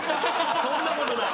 そんなことない。